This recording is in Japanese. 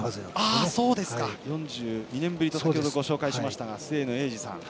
先ほど４２年ぶりとご紹介しましたが末野栄二さん。